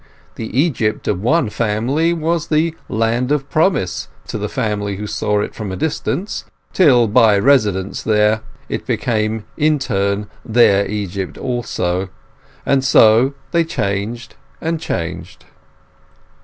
The Egypt of one family was the Land of Promise to the family who saw it from a distance, till by residence there it became in turn their Egypt also; and so they changed and changed.